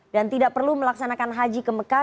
dan tidak perlu melaksanakan haji ke mekah